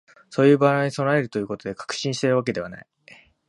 そういう場合に備えるということで、確信しているわけではない